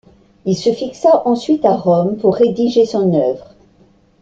Il se fixa ensuite à Rome pour rédiger son œuvre.